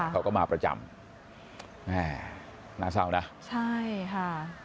เขาก็มาประจำแม่น่าเศร้านะใช่ค่ะ